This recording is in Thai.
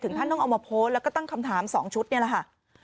ท่านต้องเอามาโพสต์แล้วก็ตั้งคำถาม๒ชุดนี่แหละค่ะ